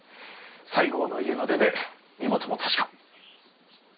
西郷の家の出で身元も確か。